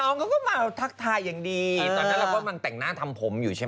ในรายการนี้ยังพูดเลย